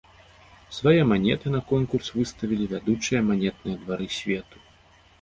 Свае манеты на конкурс выставілі вядучыя манетныя двары свету.